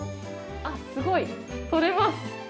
あっすごい、とれます